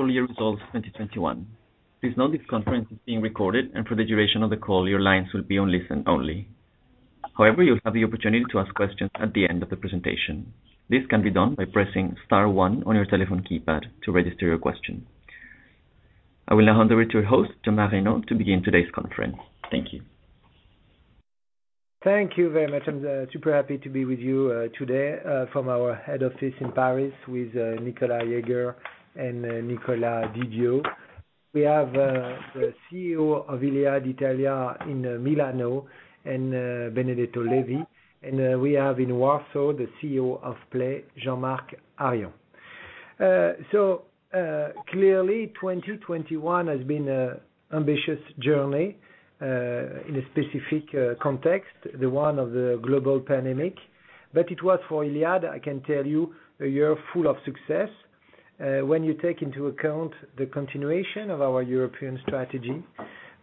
Full year results 2021. Please note this conference is being recorded and for the duration of the call, your lines will be on listen only. However, you'll have the opportunity to ask questions at the end of the presentation. This can be done by pressing star one on your telephone keypad to register your question. I will now hand over to your host, Thomas Reynaud, to begin today's conference. Thank you. Thank you very much. I'm super happy to be with you today from our head office in Paris with Nicolas Jaeger and Nicolas Thomas. We have the CEO of Iliad Italia in Milano and Benedetto Levi. We have in Warsaw, the CEO of Play, Jean-Marc Harion. Clearly 2021 has been an ambitious journey in a specific context, the one of the global pandemic. It was for Iliad, I can tell you, a year full of success. When you take into account the continuation of our European strategy,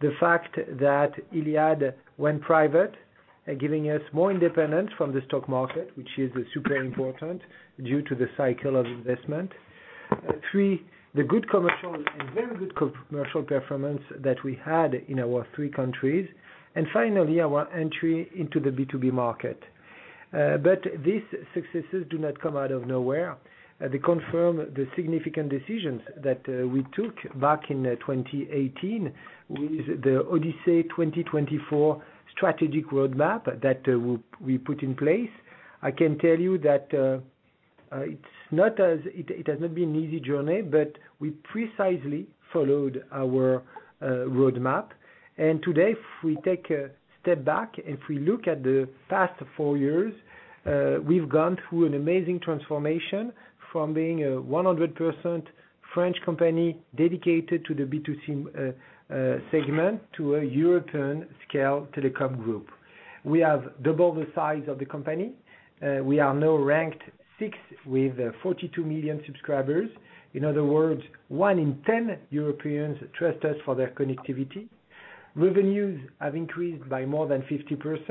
the fact that Iliad went private, giving us more independence from the stock market, which is super important due to the cycle of investment. Three, the good commercial and very good co-commercial performance that we had in our three countries. Finally, our entry into the B2B market. These successes do not come out of nowhere. They confirm the significant decisions that we took back in 2018 with the Odyssey 2024 strategic roadmap that we put in place. I can tell you that it's not as—It has not been an easy journey, but we precisely followed our roadmap. Today, if we take a step back, if we look at the past four years, we've gone through an amazing transformation from being a 100% French company dedicated to the B2C segment to a European scale telecom group. We have double the size of the company. We are now ranked sixth with 42 million subscribers. In other words, one in ten Europeans trust us for their connectivity. Revenues have increased by more than 50%,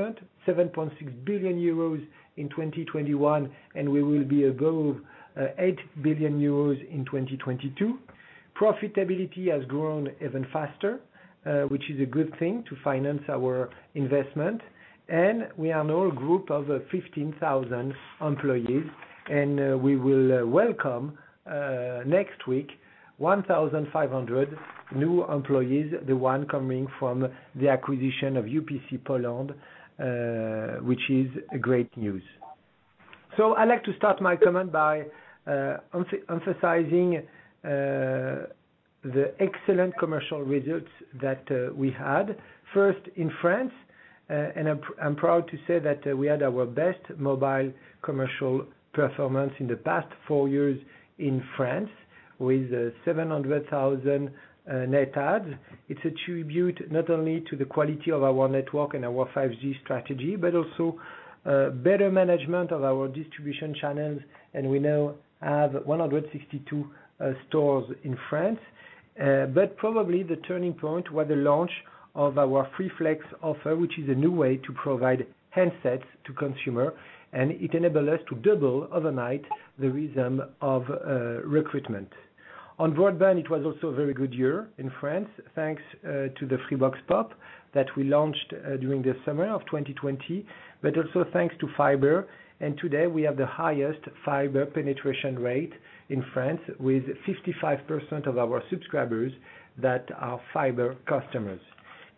7.6 billion euros in 2021, and we will be above 8 billion euros in 2022. Profitability has grown even faster, which is a good thing to finance our investment. We are now a group of 15,000 employees and we will welcome next week 1,500 new employees, the one coming from the acquisition of UPC Poland, which is great news. I'd like to start my comment by emphasizing the excellent commercial results that we had. First in France, and I'm proud to say that we had our best mobile commercial performance in the past four years in France with 700,000 net adds. It's a tribute not only to the quality of our network and our 5G strategy, but also better management of our distribution channels. We now have 162 stores in France. Probably the turning point was the launch of our Free Flex offer, which is a new way to provide handsets to consumer, and it enabled us to double overnight the rhythm of recruitment. On broadband, it was also a very good year in France, thanks to the Freebox Pop that we launched during the summer of 2020, but also thanks to fiber. Today we have the highest fiber penetration rate in France with 55% of our subscribers that are fiber customers.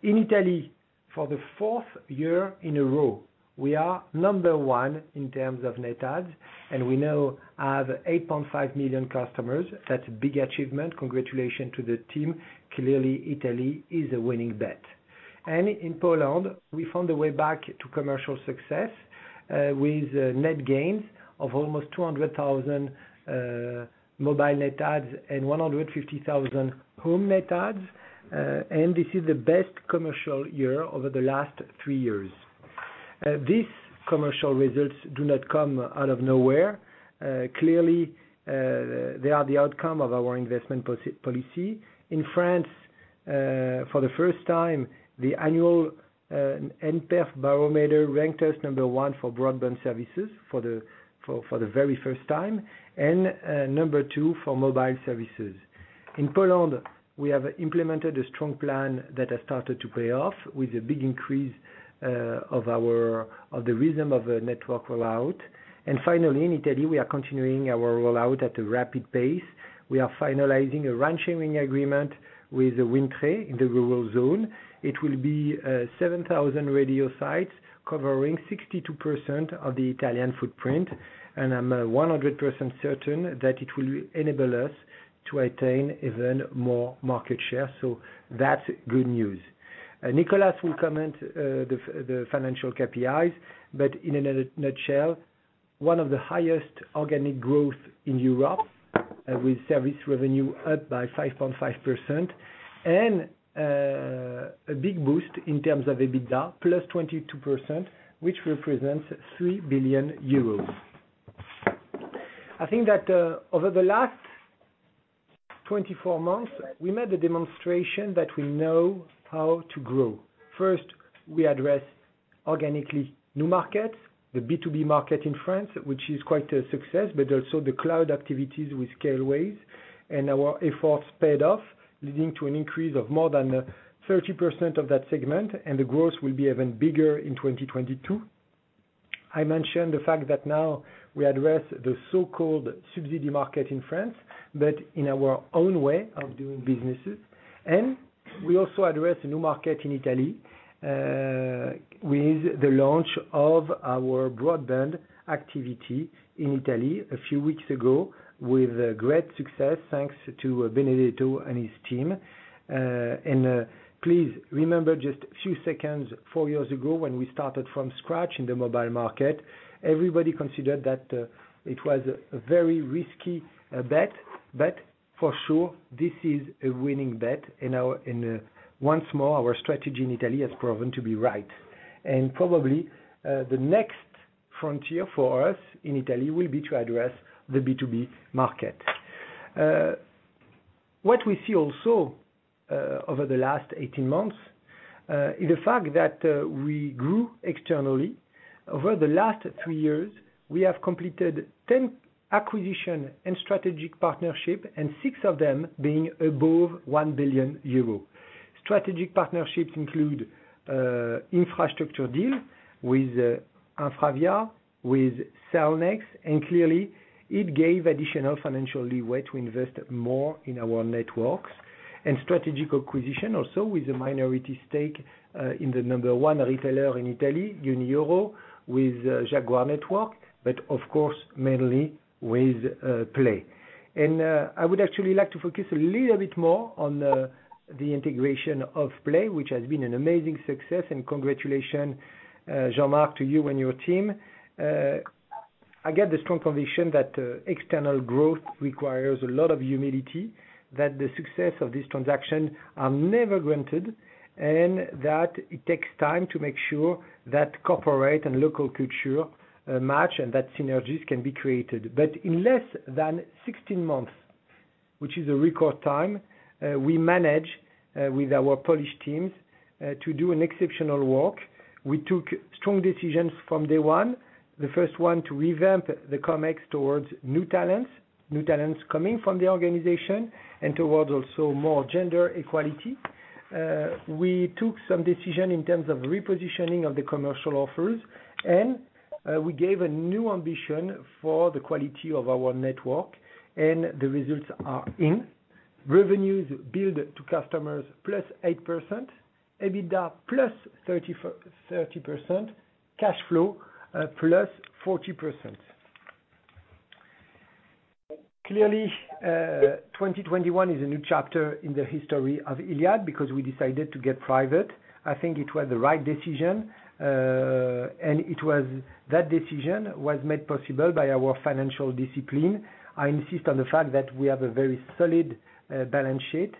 In Italy, for the fourth year in a row, we are number one in terms of net adds, and we now have 8.5 million customers. That's a big achievement. Congratulations to the team. Clearly, Italy is a winning bet. In Poland, we found a way back to commercial success with net gains of almost 200,000 mobile net adds and 150,000 home net adds. This is the best commercial year over the last three years. These commercial results do not come out of nowhere. Clearly, they are the outcome of our investment policy. In France, for the first time, the annual nPerf Barometer ranked us number one for broadband services for the very first time, and number two for mobile services. In Poland, we have implemented a strong plan that has started to pay off with a big increase of the rhythm of a network rollout. Finally, in Italy, we are continuing our rollout at a rapid pace. We are finalizing a RAN-sharing agreement with Wind Tre in the rural zone. It will be 7,000 radio sites covering 62% of the Italian footprint, and I'm 100% certain that it will enable us to attain even more market share. That's good news. Nicolas will comment the financial KPIs, but in a nutshell, one of the highest organic growth in Europe, with service revenue up by 5.5% and a big boost in terms of EBITDA +22%, which represents 3 billion euros. I think that over the last 24 months, we made a demonstration that we know how to grow. First, we organically address new markets, the B2B market in France, which is quite a success, but also the cloud activities with Scaleway. Our efforts paid off, leading to an increase of more than 30% of that segment, and the growth will be even bigger in 2022. I mentioned the fact that now we address the so-called subsidy market in France, but in our own way of doing businesses. We also address a new market in Italy with the launch of our broadband activity in Italy a few weeks ago with great success, thanks to Benedetto and his team. Please remember just four years ago, when we started from scratch in the mobile market, everybody considered that it was a very risky bet. For sure this is a winning bet. Once more our strategy in Italy has proven to be right. Probably, the next frontier for us in Italy will be to address the B2B market. What we see also over the last 18 months is the fact that we grew externally. Over the last three years, we have completed 10 acquisition and strategic partnership, and six of them being above 1 billion euro. Strategic partnerships include infrastructure deal with InfraVia, with Cellnex, and clearly it gave additional financial leeway to invest more in our networks. Strategic acquisition also with a minority stake, in the number one retailer in Italy, Unieuro, with, Jaguar Network, but of course mainly with, Play. I would actually like to focus a little bit more on, the integration of Play, which has been an amazing success. Congratulations, Jean-Marc, to you and your team. I get the strong conviction that, external growth requires a lot of humility, that the success of this transaction are never granted, and that it takes time to make sure that corporate and local culture, match and that synergies can be created. In less than 16 months, which is a record time, we managed, with our Polish teams, to do an exceptional work. We took strong decisions from day one. The first one to revamp the Comex towards new talents coming from the organization, and towards also more gender equality. We took some decision in terms of repositioning of the commercial offers, and we gave a new ambition for the quality of our network, and the results are in. Revenues billed to customers +8%, EBITDA +30%, cash flow +40%. Clearly, 2021 is a new chapter in the history of Iliad because we decided to get private. I think it was the right decision, and that decision was made possible by our financial discipline. I insist on the fact that we have a very solid balance sheet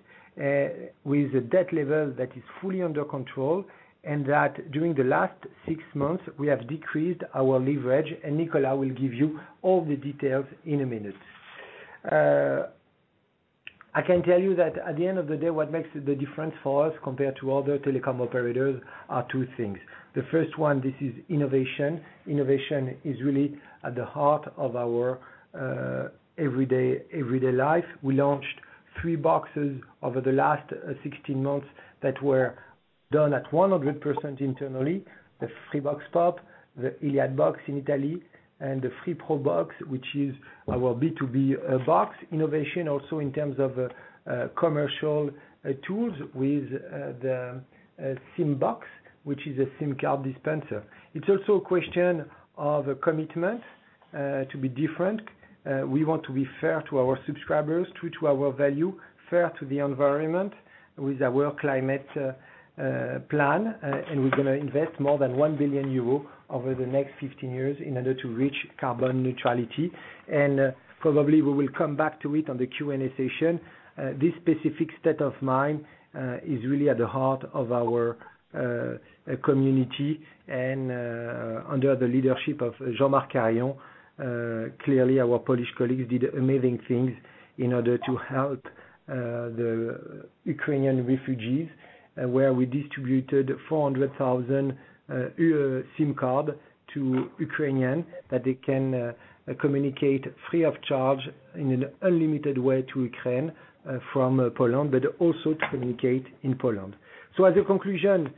with a debt level that is fully under control, and that during the last six months we have decreased our leverage, and Nicolas will give you all the details in a minute. I can tell you that at the end of the day, what makes the difference for us compared to other telecom operators are two things. The first one, this is innovation. Innovation is really at the heart of our everyday life. We launched three boxes over the last 16 months that were done 100% internally. The Freebox Pop, the iliadbox in Italy, and the Freebox Pro, which is our B2B box. Innovation also in terms of commercial tools with the Simbox, which is a SIM card dispenser. It's also a question of commitment to be different. We want to be fair to our subscribers, true to our value, fair to the environment with our climate plan. We're gonna invest more than 1 billion euro over the next 15 years in order to reach carbon neutrality. Probably we will come back to it on the Q&A session. This specific state of mind is really at the heart of our community. Under the leadership of Jean-Marc Harion, clearly our Polish colleagues did amazing things in order to help the Ukrainian refugees, where we distributed 400,000 SIM cards to Ukrainians so that they can communicate free of charge in an unlimited way to Ukraine from Poland, but also to communicate in Poland. As a conclusion,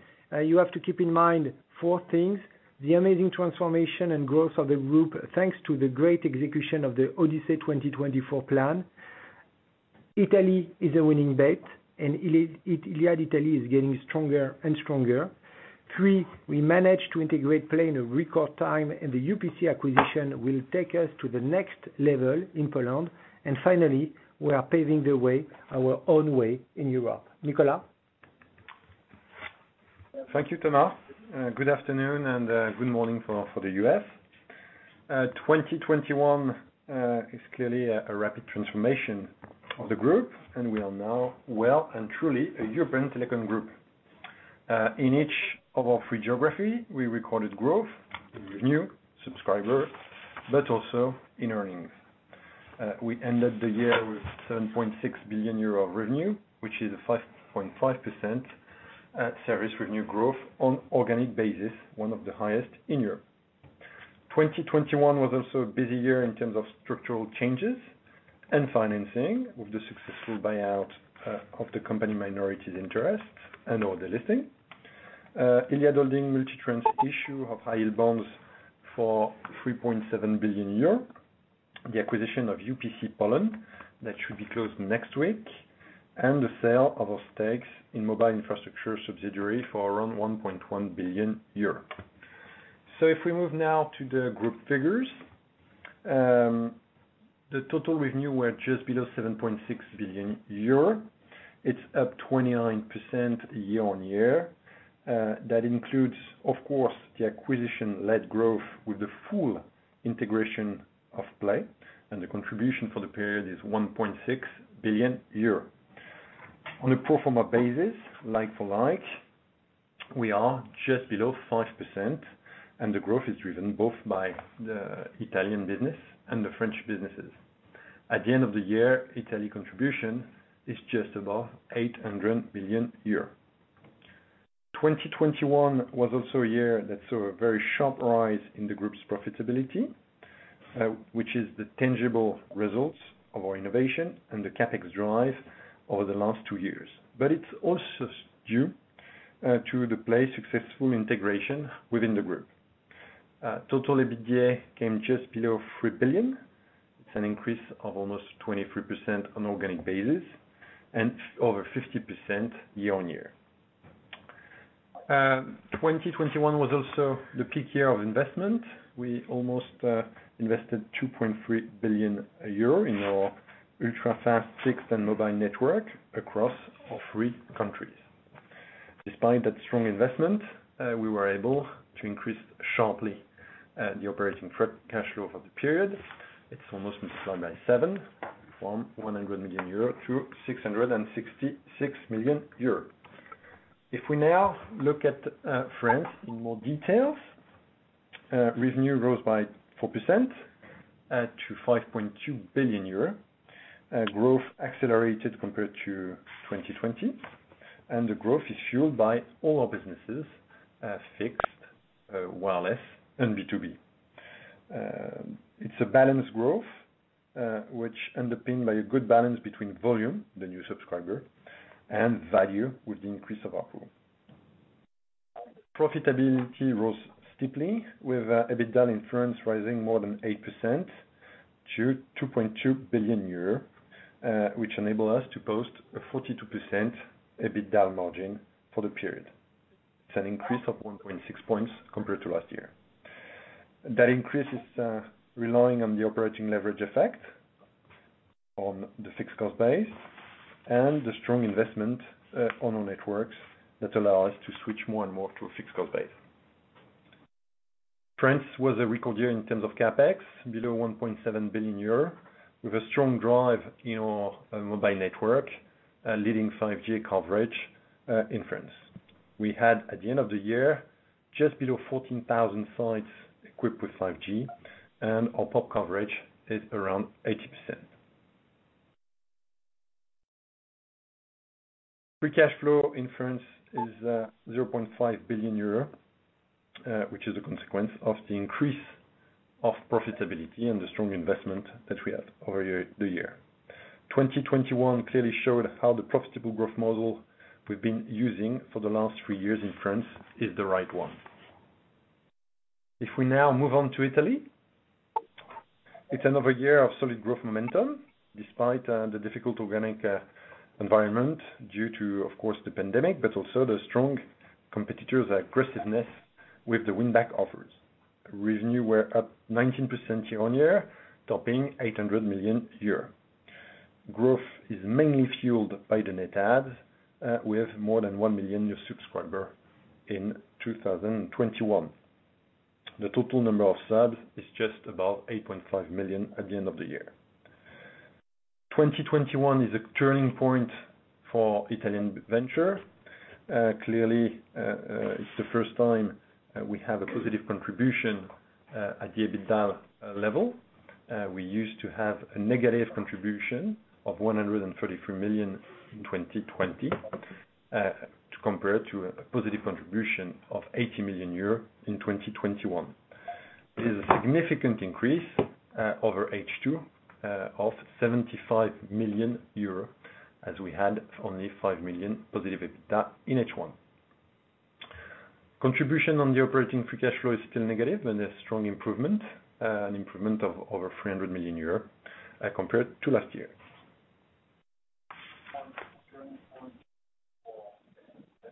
you have to keep in mind four things. The amazing transformation and growth of the group, thanks to the great execution of the Odyssey 2024 plan. Italy is a winning bet, and Iliad Italia is getting stronger and stronger. Three, we managed to integrate Play in a record time, and the UPC acquisition will take us to the next level in Poland. Finally, we are paving the way, our own way in Europe. Nicolas? Thank you, Thomas. Good afternoon and good morning for the U.S. 2021 is clearly a rapid transformation of the group. We are now well and truly a European telecom group. In each of our three geographies, we recorded growth in revenue, subscribers, but also in earnings. We ended the year with 7.6 billion euro of revenue, which is a 5.5% service revenue growth on organic basis, one of the highest in Europe. 2021 was also a busy year in terms of structural changes and financing, with the successful buyout of the company's minority's interest and/or delisting, Iliad Holding multi-tranche issue of high-yield bonds for 3.7 billion euros. The acquisition of UPC Poland that should be closed next week and the sale of our stakes in mobile infrastructure subsidiary for around 1.1 billion euro. If we move now to the group figures. The total revenue were just below 7.6 billion euro. It's up 29% year-on-year. That includes, of course, the acquisition-led growth with the full integration of Play, and the contribution for the period is 1.6 billion euro. On a pro forma basis, like for like, we are just below 5%, and the growth is driven both by the Italian business and the French businesses. At the end of the year, Italy contribution is just above 800 million euros. 2021 was also a year that saw a very sharp rise in the group's profitability, which is the tangible results of our innovation and the CapEx drive over the last two years. It's also due to the Play successful integration within the group. Total EBITDA came just below 3 billion. It's an increase of almost 23% on organic basis and over 50% year-over-year. 2021 was also the peak year of investment. We almost invested 2.3 billion euro in our ultra-fast fixed and mobile network across our three countries. Despite that strong investment, we were able to increase sharply the operating cash flow for the period. It's almost multiplied by seven, from 100 million euro to 666 million euro. If we now look at France in more detail, revenue rose by 4% to 5.2 billion euro. Growth accelerated compared to 2020, and the growth is fueled by all our businesses, fixed, wireless and B2B. It's a balanced growth, which underpinned by a good balance between volume, the new subscriber, and value with the increase of ARPU. Profitability rose steeply with EBITDA in France rising more than 8% to 2.2 billion euro, which enable us to post a 42% EBITDA margin for the period. It's an increase of 1.6 points compared to last year. That increase is relying on the operating leverage effect on the fixed cost base and the strong investment on our networks that allow us to switch more and more to a fixed cost base. France was a record year in terms of CapEx, below 1.7 billion euro, with a strong drive in our mobile network, leading 5G coverage in France. We had, at the end of the year, just below 14,000 sites equipped with 5G, and our PoP coverage is around 80%. Free cash flow in France is 0.5 billion euro, which is a consequence of the increase of profitability and the strong investment that we have over the year. 2021 clearly showed how the profitable growth model we've been using for the last three years in France is the right one. If we now move on to Italy, it's another year of solid growth momentum, despite the difficult organic environment due to, of course, the pandemic, but also the strong competitors' aggressiveness with the win-back offers. Revenue was up 19% year-on-year, topping 800 million euros. Growth is mainly fueled by the net adds with more than 1 million new subscriber in 2021. The total number of subs is just above 8.5 million at the end of the year. 2021 is a turning point for Italian venture. Clearly, it's the first time that we have a positive contribution at the EBITDA level. We used to have a negative contribution of 133 million in 2020 to compare to a positive contribution of 80 million euros in 2021. It is a significant increase over H2 of 75 million euro, as we had only 5 million positive EBITDA in H1. Contribution on the operating free cash flow is still negative and a strong improvement, an improvement of over 300 million euros, compared to last year.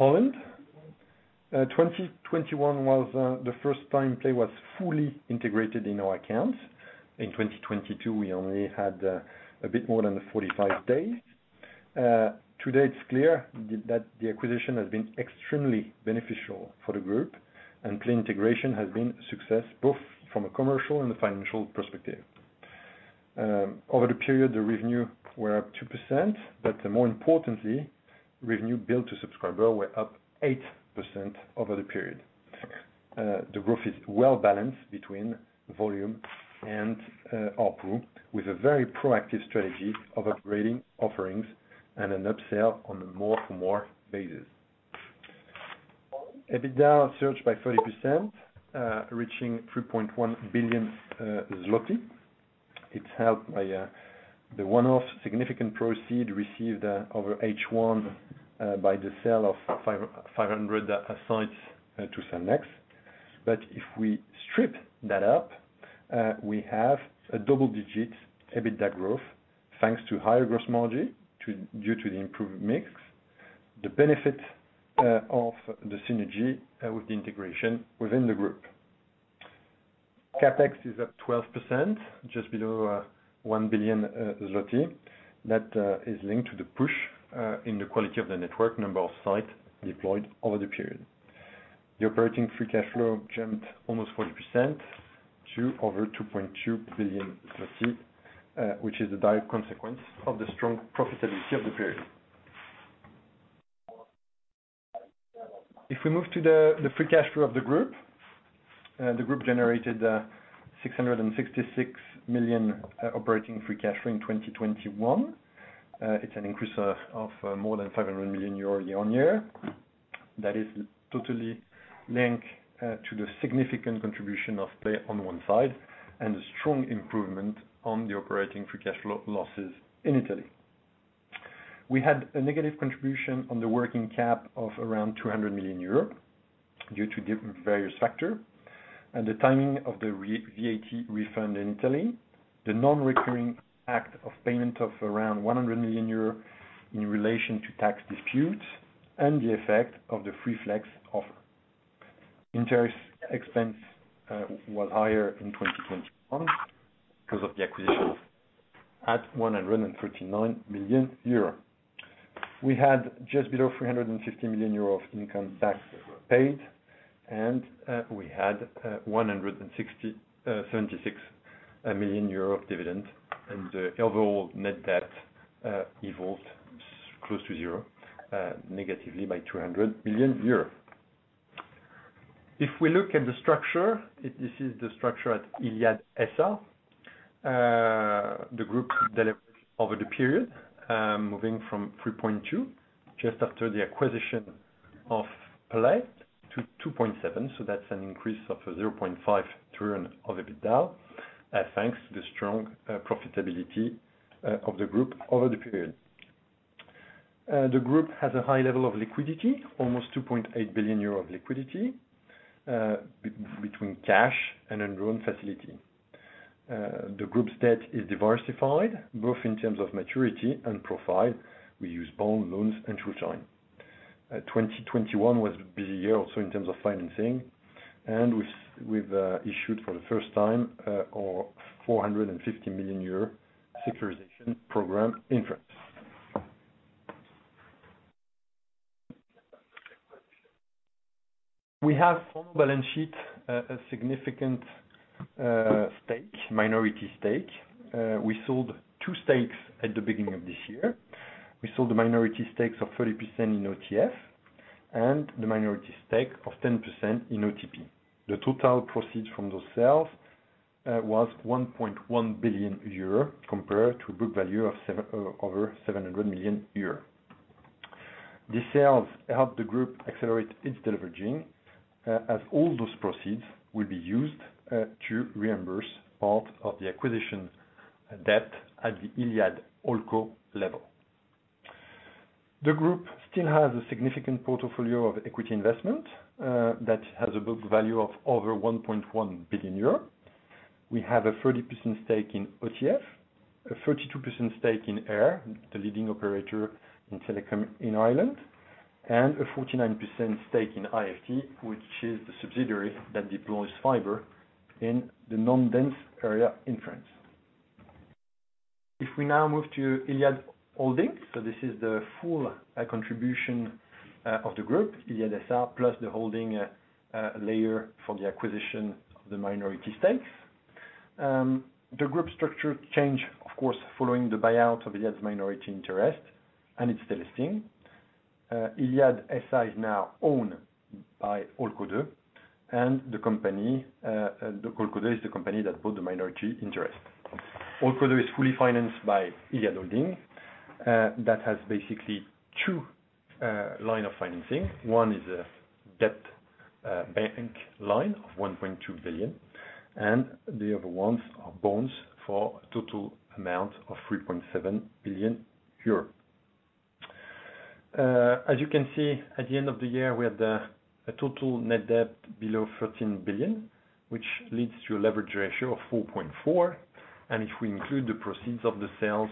Poland. 2021 was the first time Play was fully integrated in our accounts. In 2022, we only had a bit more than 45 days. Today it's clear that the acquisition has been extremely beneficial for the group, and Play integration has been a success both from a commercial and a financial perspective. Over the period, the revenue were up 2%, but more importantly, revenue bill to subscriber were up 8% over the period. The growth is well balanced between volume and ARPU, with a very proactive strategy of upgrading offerings and an upsell on a more for more basis. EBITDA surged by 30%, reaching 3.1 billion zloty. It's helped by the one-off significant proceeds received over H1 by the sale of 550 sites to Cellnex. If we strip that out, we have a double-digit EBITDA growth thanks to higher gross margin due to the improved mix, the benefit of the synergy with the integration within the group. CapEx is up 12% just below 1 billion zloty. That is linked to the push in the quality of the network number of sites deployed over the period. The operating free cash flow jumped almost 40% to over 2.2 billion, which is a direct consequence of the strong profitability of the period. If we move to the free cash flow of the group, the group generated 666 million operating free cash flow in 2021. It's an increase of more than 500 million euro year-on-year. That is totally linked to the significant contribution of Play on one side, and a strong improvement on the operating free cash flow losses in Italy. We had a negative contribution on the working cap of around 200 million euro due to different various factor and the timing of the VAT refund in Italy, the non-recurring act of payment of around 100 million euros in relation to tax disputes, and the effect of the Free Flex offer. Interest expense was higher in 2021 because of the acquisition at 139 million euros. We had just below 350 million euros of income tax paid, and we had 176 million euros of dividend. The overall net debt evolved close to zero, negatively by 200 million euros. If we look at the structure, this is the structure at Iliad S.A. The group delivered over the period, moving from 3.2 just after the acquisition of Play to 2.7. That's an increase of a 0.5 turn of EBITDA, thanks to the strong profitability of the group over the period. The group has a high level of liquidity, almost 2.8 billion euro of liquidity, between cash and undrawn facility. The group's debt is diversified, both in terms of maturity and profile. We use bond loans and term loans. 2021 was a busy year also in terms of financing and we've issued for the first time our 450 million euro securitization program in France. We have on our balance sheet a significant minority stake. We sold two stakes at the beginning of this year. We sold the minority stakes of 30% in OTF and the minority stake of 10% in OTP. The total proceeds from those sales was 1.1 billion euro compared to book value of over 700 million euro. These sales helped the group accelerate its deleveraging as all those proceeds will be used to reimburse part of the acquisition debt at the Iliad Holdco level. The group still has a significant portfolio of equity investment that has a book value of over 1.1 billion euros. We have a 30% stake in OTF, a 32% stake in eir, the leading operator in telecom in Ireland, and a 49% stake in IFT, which is the subsidiary that deploys fiber in the non-dense area in France. If we now move to Iliad Holdings, so this is the full contribution of the group, Iliad S.A., plus the holding layer for the acquisition of the minority stakes. The group structure change, of course, following the buyout of Iliad's minority interest and its delisting. Iliad S.A. is now owned by Holdco II, and the company, the Holdco II is the company that bought the minority interest. Holdco II is fully financed by Iliad Holding. That has basically two lines of financing. One is a debt bank line of 1.2 billion, and the other ones are bonds for a total amount of 3.7 billion euro. As you can see, at the end of the year, we had a total net debt below 13 billion, which leads to a leverage ratio of 4.4. If we include the proceeds of the sales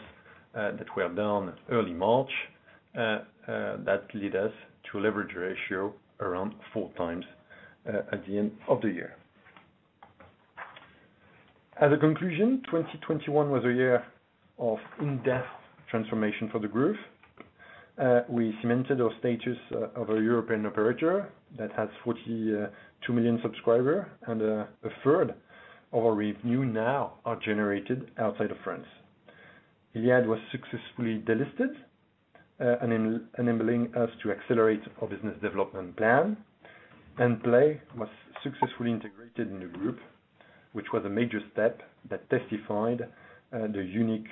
that were done early March, that leads us to a leverage ratio around 4x at the end of the year. As a conclusion, 2021 was a year of in-depth transformation for the group. We cemented our status of a European operator that has 42 million subscribers, and a third of our revenue now are generated outside of France. Iliad was successfully delisted, enabling us to accelerate our business development plan. Play was successfully integrated in the group, which was a major step that testified the unique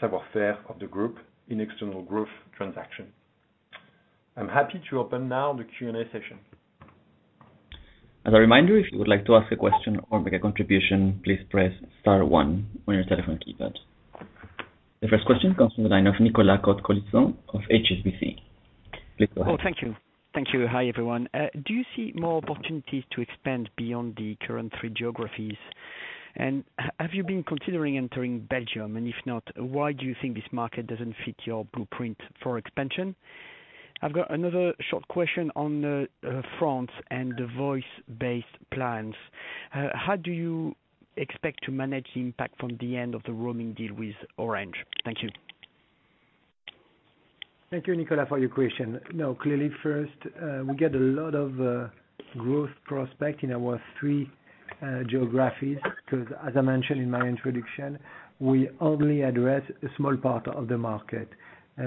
savoir-faire of the group in external growth transaction. I'm happy to open now the Q&A session. As a reminder, if you would like to ask a question or make a contribution, please press star one on your telephone keypad. The first question comes from the line of Nicolas Cote-Colisson of HSBC. Please go ahead. Oh, thank you. Hi, everyone. Do you see more opportunities to expand beyond the current three geographies? Have you been considering entering Belgium? If not, why do you think this market doesn't fit your blueprint for expansion? I've got another short question on France and the voice-based plans. How do you expect to manage the impact from the end of the roaming deal with Orange? Thank you. Thank you, Nicolas, for your question. Now, clearly first, we get a lot of growth prospect in our three geographies, 'cause as I mentioned in my introduction, we only address a small part of the market.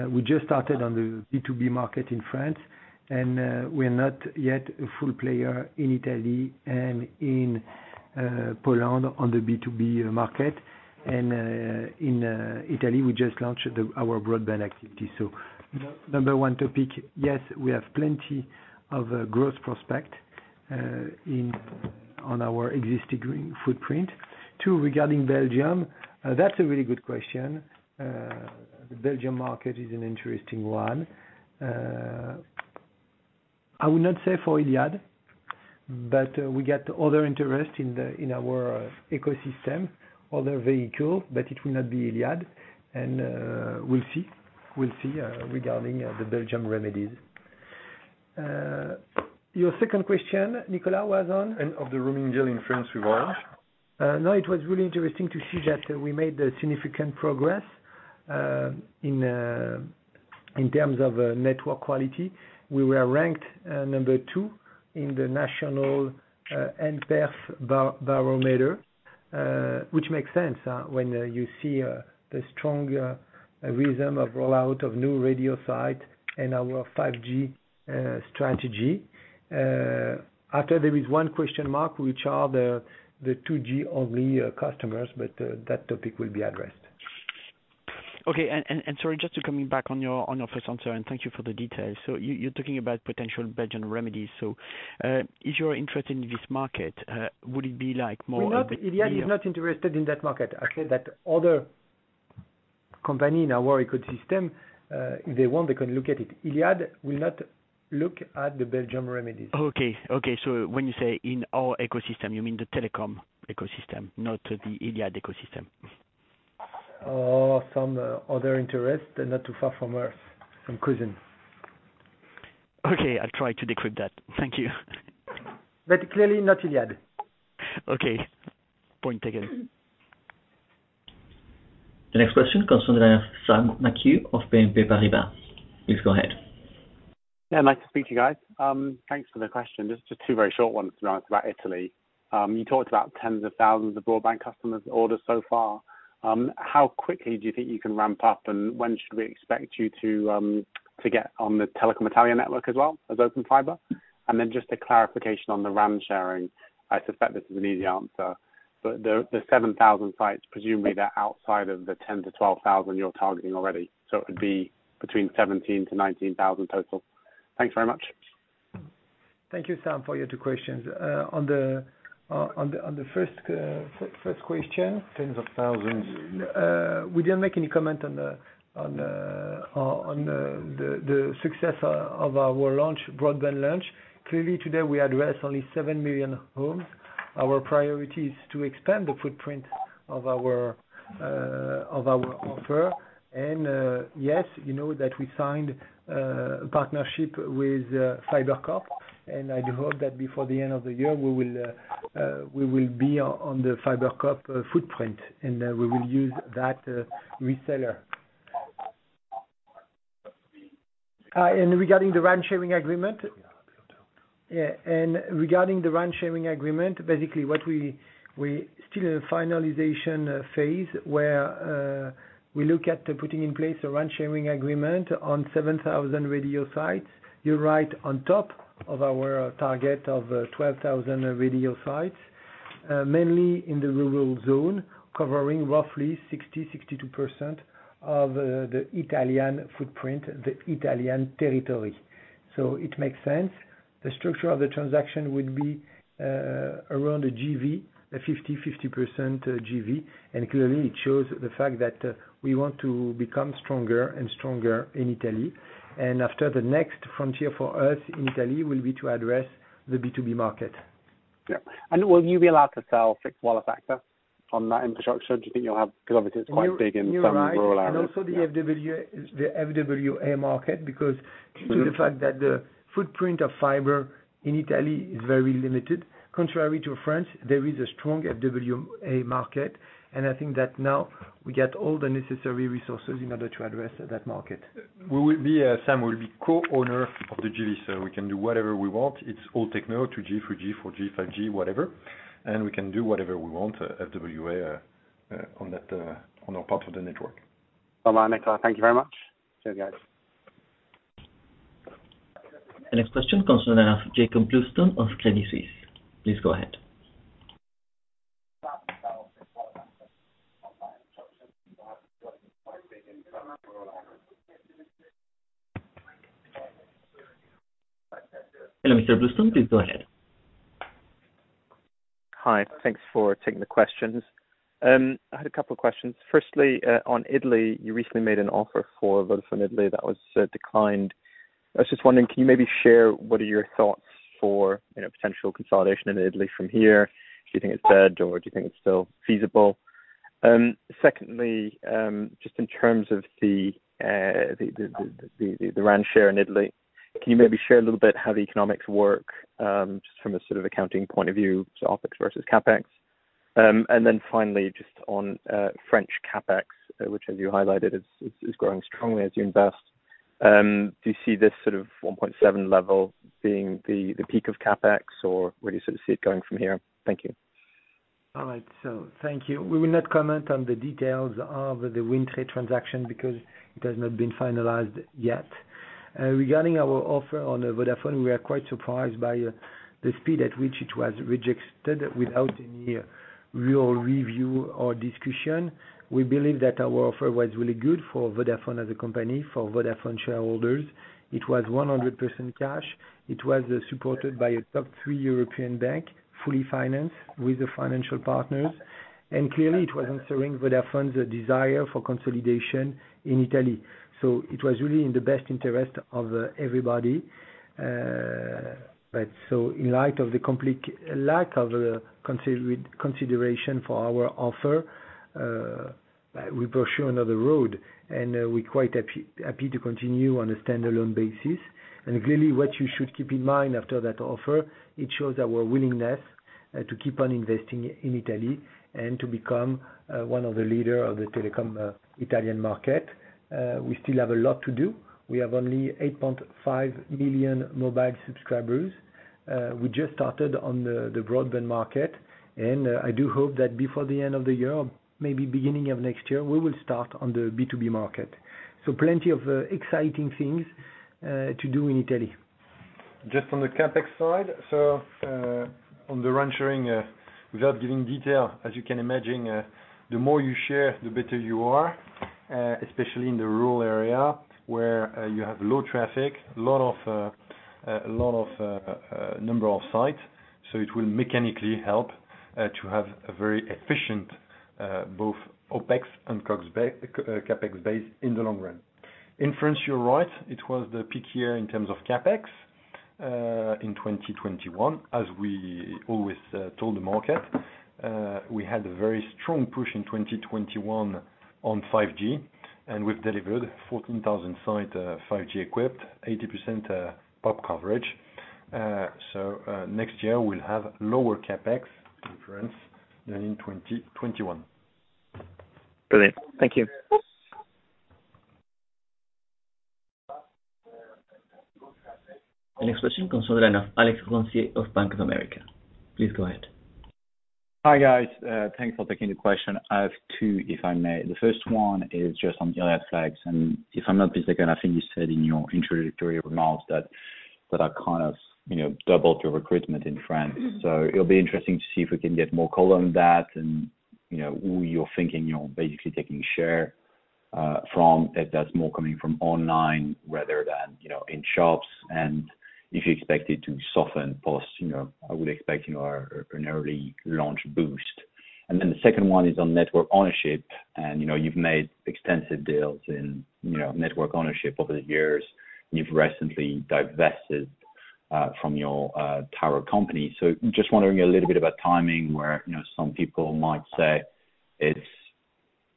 We just started on the B2B market in France, and we're not yet a full player in Italy and in Poland on the B2B market. In Italy, we just launched our broadband activity. Number one topic, yes, we have plenty of growth prospect in on our existing greenfield footprint. Two, regarding Belgium, that's a really good question. The Belgian market is an interesting one. I would not say for Iliad, but we get other interest in our ecosystem, other vehicle, but it will not be Iliad. We'll see regarding the Belgium remedies. Your second question, Nicolas, was on? Of the roaming deal in France with Orange. No, it was really interesting to see that we made a significant progress in terms of network quality. We were ranked number two in the national nPerf barometer, which makes sense when you see the strong rhythm of rollout of new radio site and our 5G strategy. After there is one question mark, which are the 2G only customers, but that topic will be addressed. Okay. Sorry, just to come back on your first answer, and thank you for the details. You are talking about potential Belgian remedies. Is your interest in this market would it be like more of a- Iliad is not interested in that market. I said that other company in our ecosystem, if they want, they can look at it. Iliad will not look at the Belgian remedies. Okay. When you say in our ecosystem, you mean the telecom ecosystem, not the Iliad ecosystem? some other interest and not too far from Earth, some cousin. Okay, I'll try to decrypt that. Thank you. Clearly not Iliad. Okay. Point taken. The next question comes from Sam McHugh of BNP Paribas. Please go ahead. Yeah, nice to speak to you guys. Thanks for the question. Just two very short ones to ask about Italy. You talked about tens of thousands of broadband customer orders so far. How quickly do you think you can ramp up, and when should we expect you to get on the Telecom Italia network as well as Open Fiber? Just a clarification on the RAN sharing. I suspect this is an easy answer. The 7,000 sites, presumably they're outside of the 10,000-12,000 you're targeting already. It would be between 17,000-19,000 total. Thanks very much. Thank you, Sam, for your two questions. On the first question. Tens of thousands. We didn't make any comment on the success of our broadband launch. Clearly today we address only 7 million homes. Our priority is to expand the footprint of our offer. Yes, you know that we signed a partnership with FiberCop. I hope that before the end of the year, we will be on the FiberCop footprint, and we will use that reseller. Regarding the RAN sharing agreement, basically, we're still in the finalization phase, where we look at putting in place a RAN sharing agreement on 7,000 radio sites. You're right on top of our target of 12,000 radio sites, mainly in the rural zone, covering roughly 62% of the Italian footprint, the Italian territory. It makes sense. The structure of the transaction would be around a JV, a 50-50% JV. Clearly it shows the fact that we want to become stronger and stronger in Italy. After the next frontier for us in Italy will be to address the B2B market. Yeah. Will you be allowed to sell fixed wireless access on that infrastructure? Do you think you'll have, 'cause obviously it's quite big in some rural areas. You're right. Also the FWA is the FWA market because due to the fact that the footprint of fiber in Italy is very limited. Contrary to France, there is a strong FWA market. I think that now we get all the necessary resources in order to address that market. We will be, Sam, we'll be co-owner of the JV cell. We can do whatever we want. It's all techno, 2G, 3G, 4G, 5G, whatever. We can do whatever we want, FWA, on that, on our part of the network. Bye-bye, Nicolas. Thank you very much. See you guys. The next question comes from the line of Jakob Bluestone of Crédit Suisse. Please go ahead. Hello, Mr. Bluestone. Please go ahead. Hi. Thanks for taking the questions. I had a couple questions. Firstly, on Italy, you recently made an offer for Vodafone Italy that was declined. I was just wondering, can you maybe share what are your thoughts for, you know, potential consolidation in Italy from here? Do you think it's dead or do you think it's still feasible? Secondly, just in terms of the RAN share in Italy, can you maybe share a little bit how the economics work, just from a sort of accounting point of view, so OpEx versus CapEx? And then finally, just on French CapEx, which as you highlighted is growing strongly as you invest. Do you see this sort of 1.7 level being the peak of CapEx, or where do you sort of see it going from here? Thank you. All right. Thank you. We will not comment on the details of the Wind Tre transaction because it has not been finalized yet. Regarding our offer on Vodafone, we are quite surprised by the speed at which it was rejected without any real review or discussion. We believe that our offer was really good for Vodafone as a company, for Vodafone shareholders. It was 100% cash. It was supported by a top three European bank, fully financed with the financial partners. Clearly it was answering Vodafone's desire for consolidation in Italy. It was really in the best interest of everybody. In light of the lack of consideration for our offer, we pursue another road, and we're quite happy to continue on a standalone basis. Clearly, what you should keep in mind after that offer, it shows our willingness to keep on investing in Italy and to become one of the leader of the telecom Italian market. We still have a lot to do. We have only 8.5 million mobile subscribers. We just started on the broadband market. I do hope that before the end of the year or maybe beginning of next year, we will start on the B2B market. Plenty of exciting things to do in Italy. Just on the CapEx side. On the RAN sharing, without giving detail, as you can imagine, the more you share, the better you are, especially in the rural area, where you have low traffic, a lot of sites. It will mechanically help to have a very efficient both OpEx and CapEx base in the long run. In France, you're right. It was the peak year in terms of CapEx in 2021. As we always told the market, we had a very strong push in 2021 on 5G, and we've delivered 14,000 sites 5G equipped, 80% PoP coverage. Next year we'll have lower CapEx in France than in 2021. Brilliant. Thank you. The next question comes from the line of Alexandre Roncier of Bank of America. Please go ahead. Hi, guys. Thanks for taking the question. I have two, if I may. The first one is just on Free Flex, and if I'm not mistaken, I think you said in your introductory remarks that are kind of, you know, doubling recruitment in France. So it'll be interesting to see if we can get more color on that and, you know, who you're thinking you're basically taking share from if that's more coming from online rather than, you know, in shops and if you expect it to soften post-launch. I would expect an early launch boost. The second one is on network ownership and, you know, you've made extensive deals in, you know, network ownership over the years. You've recently divested from your tower company. Just wondering a little bit about timing where, you know, some people might say it's,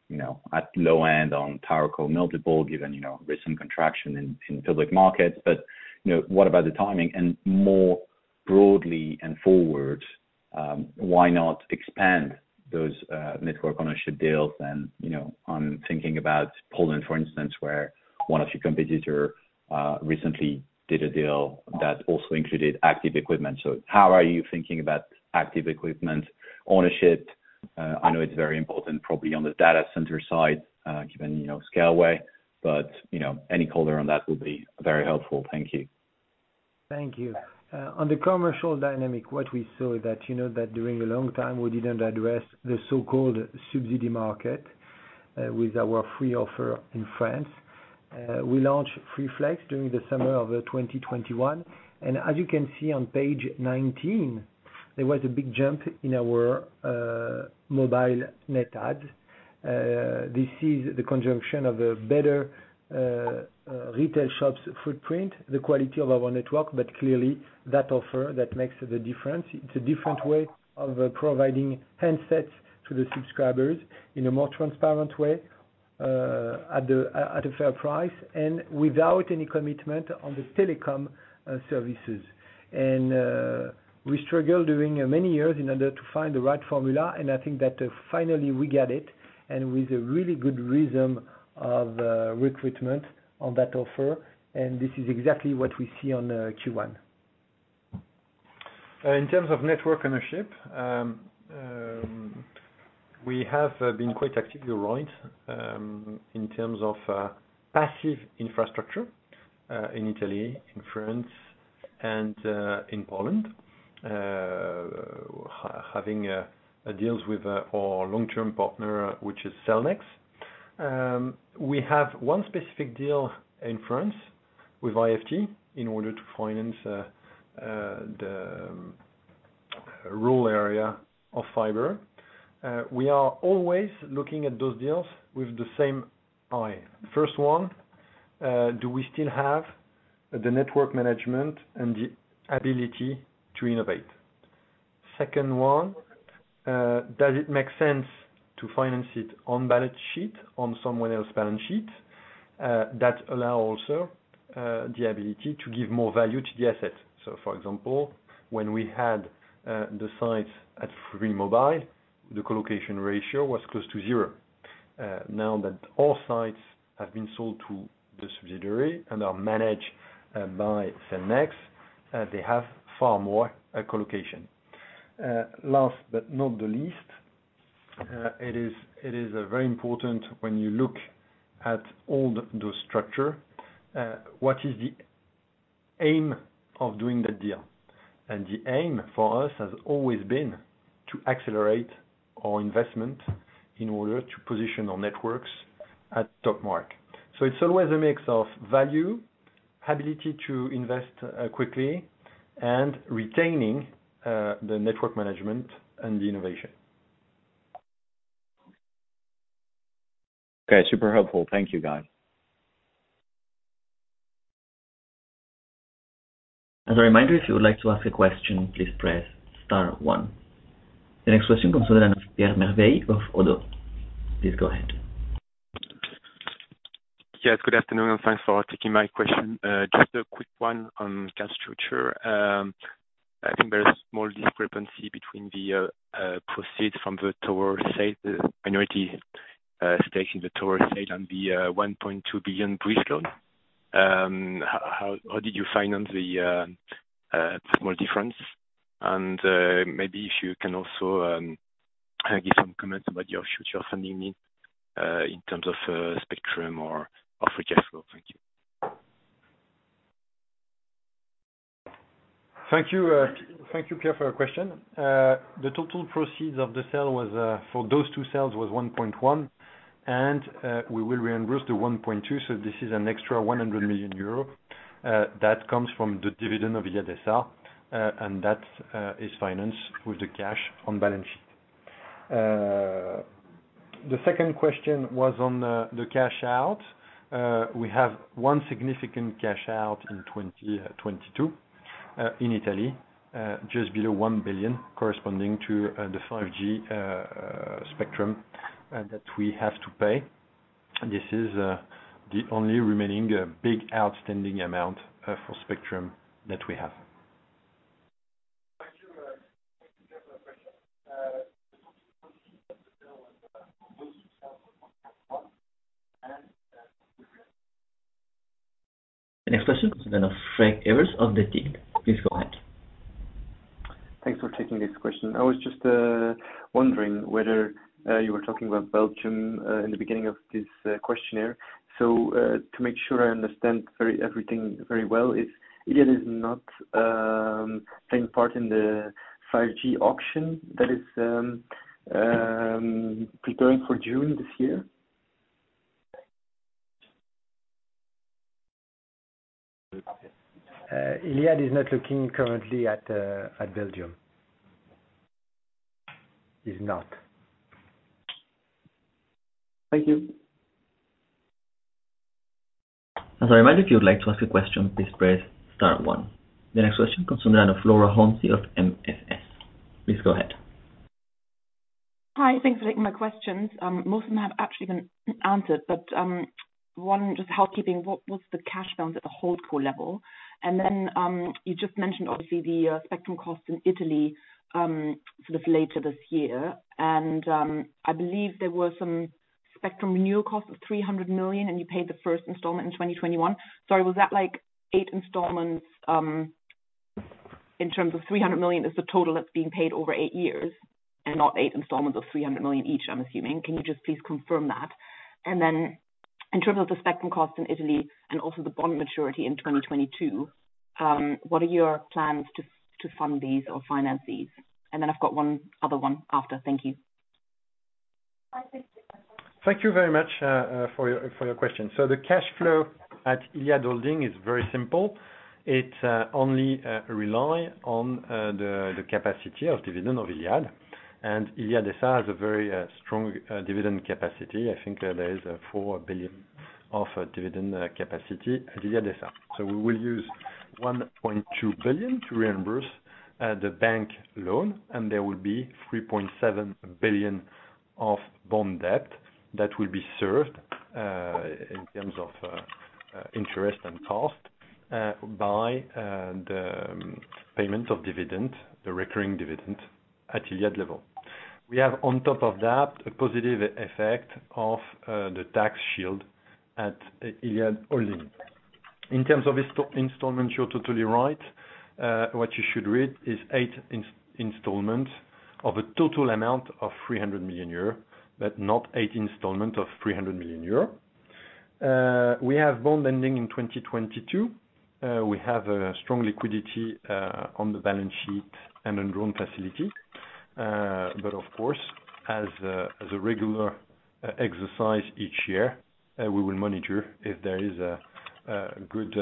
you know, at low end on tower co multiple given, you know, recent contraction in public markets. You know, what about the timing and more broadly and forward, why not expand those network ownership deals and, you know, I'm thinking about Poland, for instance, where one of your competitor recently did a deal that also included active equipment. How are you thinking about active equipment ownership? I know it's very important probably on the data center side, given, you know, Scaleway, but, you know, any color on that would be very helpful. Thank you. Thank you. On the commercial dynamic, what we saw that, you know that during a long time we didn't address the so-called subsidy market, with our Free offer in France. We launched Free Flex during the summer of 2021. As you can see on page 19, there was a big jump in our mobile net adds. This is the conjunction of a better retail shops footprint, the quality of our network, but clearly that offer, that makes the difference. It's a different way of providing handsets to the subscribers in a more transparent way, at a fair price and without any commitment on the telecom services. We struggled during many years in order to find the right formula, and I think that finally we get it and with a really good rhythm of recruitment on that offer. This is exactly what we see on Q1. In terms of network ownership, we have been quite active year round in terms of passive infrastructure in Italy, in France, and in Poland. Having deals with our long-term partner, which is Cellnex. We have one specific deal in France with IFT in order to finance the rural area of fiber. We are always looking at those deals with the same eye. First one, do we still have the network management and the ability to innovate? Second one, does it make sense to finance it on balance sheet, on someone else balance sheet, that allow also the ability to give more value to the asset. For example, when we had the sites at Free Mobile, the co-location ratio was close to zero. Now that all sites have been sold to the subsidiary and are managed by Cellnex, they have far more co-location. Last but not the least, it is very important when you look at all those structure, what is the aim of doing that deal. The aim for us has always been to accelerate our investment in order to position our networks at top mark. It's always a mix of value, ability to invest quickly, and retaining the network management and the innovation. Okay, super helpful. Thank you, guys. As a reminder, if you would like to ask a question, please press star one. The next question comes in from Pierre Merville of Oddo. Please go ahead. Yes, good afternoon, and thanks for taking my question. Just a quick one on cash structure. I think there is small discrepancy between the proceeds from the tower sale, the minority stake in the tower sale and the 1.2 billion bridge loan. How did you finance the small difference? Maybe if you can also give some comments about your future funding need in terms of spectrum or free cash flow. Thank you. Thank you. Thank you, Pierre, for your question. The total proceeds of the sale was for those two sales was 1.1, and we will reimburse the 1.2, so this is an extra 100 million euro that comes from the dividend of Iliad S.A., and that is financed with the cash on balance sheet. The second question was on the cash out. We have one significant cash out in 2022 in Italy, just below 1 billion, corresponding to the 5G spectrum that we have to pay. This is the only remaining big outstanding amount for spectrum that we have. The next question comes in from Frank Essers of DekaBank. Please go ahead. Thanks for taking this question. I was just wondering whether you were talking about Belgium in the beginning of this questionnaire. To make sure I understand everything very well, is Iliad not taking part in the 5G auction that is preparing for June this year? Iliad is not looking currently at Belgium. Is not. Thank you. As a reminder, if you would like to ask a question, please press star one. The next question comes in from Akhil Dattani of MFS. Please go ahead. Hi. Thanks for taking my questions. Most of them have actually been answered, but one just housekeeping. What's the cash balance at the holdco level? And then you just mentioned obviously the spectrum costs in Italy sort of later this year. And I believe there were some spectrum renewal costs of 300 million, and you paid the first installment in 2021. Sorry, was that like eight installments, in terms of 300 million is the total that's being paid over eight years and not eight installments of 300 million each, I'm assuming. Can you just please confirm that? And then in terms of the spectrum cost in Italy and also the bond maturity in 2022, what are your plans to fund these or finance these? And then I've got one other one after. Thank you. Thank you very much for your question. The cash flow at Iliad Holding is very simple. It only rely on the capacity of dividend of Iliad. Iliad S.A. has a very strong dividend capacity. I think there is 4 billion of dividend capacity at Iliad S.A. We will use 1.2 billion to reimburse the bank loan, and there will be 3.7 billion of bond debt that will be served in terms of interest and cost by the payment of dividend, the recurring dividend at Iliad level. We have on top of that a positive effect of the tax shield at Iliad Holding. In terms of installment, you're totally right. What you should read is eight installments of a total amount of 300 million euros, but not eight installment of 300 million euros. We have bond ending in 2022. We have a strong liquidity on the balance sheet and in loan facility. But of course, as a regular exercise each year, we will monitor if there is a good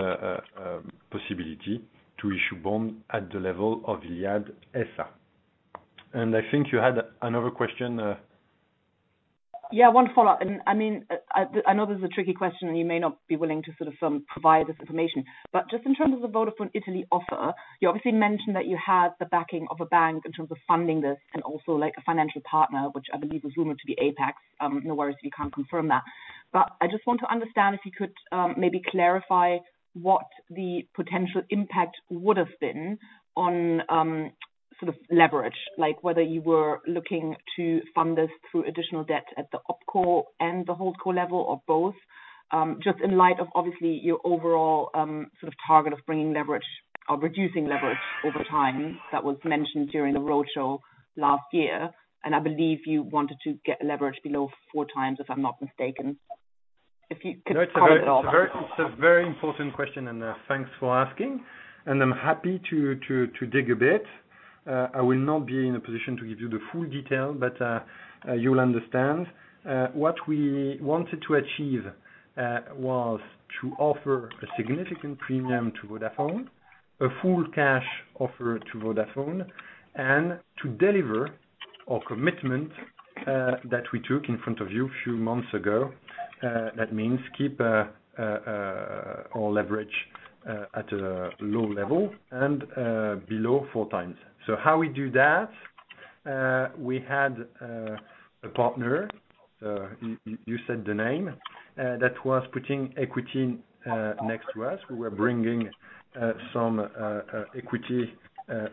possibility to issue bond at the level of Iliad S.A. I think you had another question. Yeah, one follow-up. I mean, I know this is a tricky question, and you may not be willing to sort of provide this information. Just in terms of the Vodafone Italia offer, you obviously mentioned that you had the backing of a bank in terms of funding this and also, like, a financial partner, which I believe was rumored to be Apax. No worries if you can't confirm that. I just want to understand if you could maybe clarify what the potential impact would've been on sort of leverage, like whether you were looking to fund this through additional debt at the opco and the holdco level or both. Just in light of obviously your overall sort of target of bringing leverage or reducing leverage over time that was mentioned during the roadshow last year. I believe you wanted to get leverage below 4x, if I'm not mistaken. If you could comment at all. No, it's a very important question, and thanks for asking. I'm happy to dig a bit. I will not be in a position to give you the full detail, but you'll understand. What we wanted to achieve was to offer a significant premium to Vodafone, a full cash offer to Vodafone, and to deliver our commitment that we took in front of you a few months ago. That means keep our leverage at a low level and below four times. How we do that, we had a partner, you said the name, that was putting equity next to us. We were bringing some equity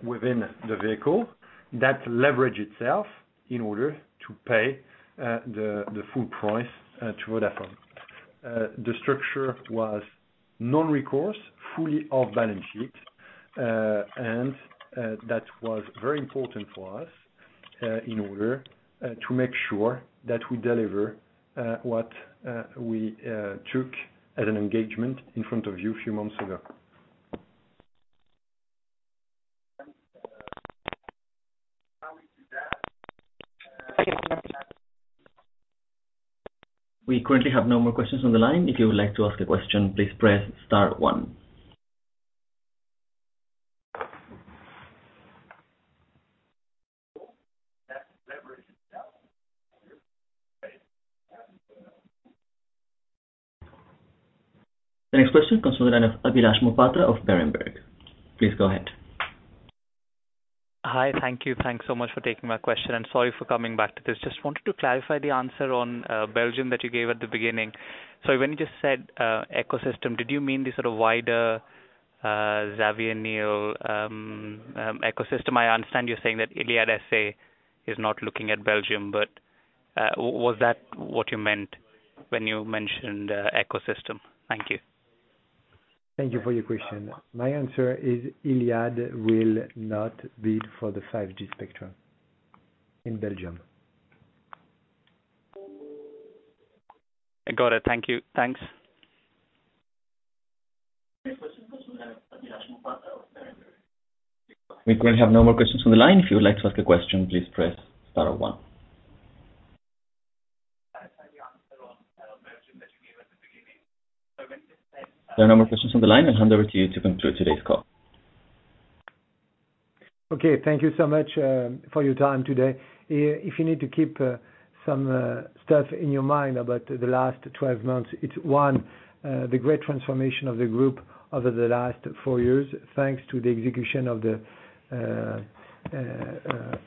within the vehicle. That leverage itself in order to pay the full price to Vodafone. The structure was non-recourse, fully off balance sheet, and that was very important for us in order to make sure that we deliver what we took as an engagement in front of you a few months ago. We currently have no more questions on the line. If you would like to ask a question, please press star one. The next question comes from the line of Avilash Bhatia of Berenberg. Please go ahead. Hi. Thank you. Thanks so much for taking my question, and sorry for coming back to this. Just wanted to clarify the answer on Belgium that you gave at the beginning. When you just said ecosystem, did you mean the sort of wider Xavier Niel ecosystem? I understand you're saying that Iliad S.A. is not looking at Belgium, but was that what you meant when you mentioned ecosystem? Thank you. Thank you for your question. My answer is Iliad will not bid for the 5G spectrum in Belgium. I got it. Thank you. Thanks. We currently have no more questions on the line. If you would like to ask a question, please press star one. There are no more questions on the line. I'll hand over to you to conclude today's call. Okay. Thank you so much for your time today. If you need to keep some stuff in your mind about the last 12 months, it's one, the great transformation of the group over the last four years, thanks to the execution of the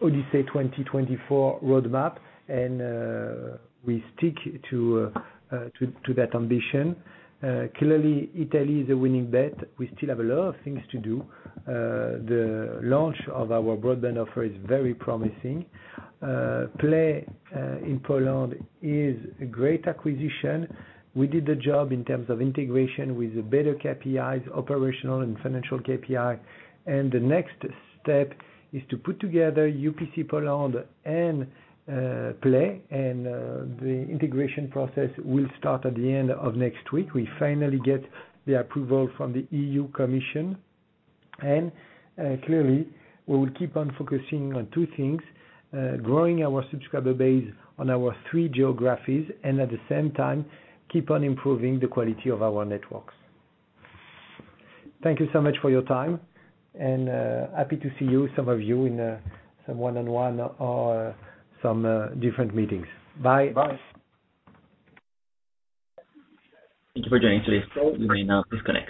Odyssey 2024 roadmap, and we stick to that ambition. Clearly, Italy is a winning bet. We still have a lot of things to do. The launch of our broadband offer is very promising. Play in Poland is a great acquisition. We did the job in terms of integration with the better KPIs, operational and financial KPIs. The next step is to put together UPC Poland and Play. The integration process will start at the end of next week. We finally get the approval from the EU Commission. Clearly, we will keep on focusing on two things, growing our subscriber base on our three geographies and at the same time, keep on improving the quality of our networks. Thank you so much for your time. Happy to see you, some of you in some one-on-one or some different meetings. Bye-bye. Thank you for joining today's call. You may now disconnect.